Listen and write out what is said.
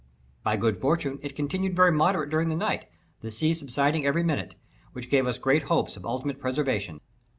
By good fortune it continued very moderate during the night, the sea subsiding every minute, which gave us great hopes of ultimate preservation.